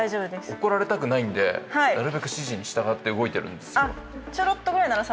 怒られたくないんでなるべく指示に従って動いてるんですよ。